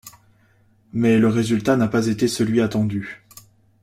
Mais le résultat n'a pas été celui attendu.